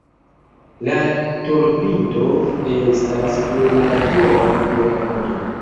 La turopinto estas plurlatera piramido.